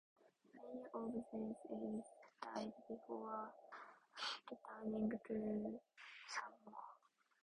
Many of those exiled died before returning to Samoa.